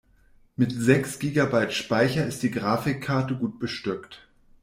Mit sechs Gigabyte Speicher ist die Grafikkarte gut bestückt.